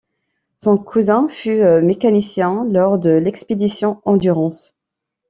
Son cousin fut mécanicien lors de l'expédition Endurance.